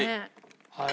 はい。